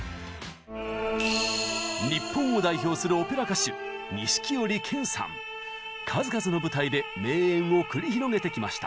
日本を代表する数々の舞台で名演を繰り広げてきました。